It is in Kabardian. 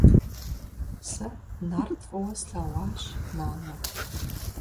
Сэ Нарт фӀыуэ слъэгъуащ, нанэ.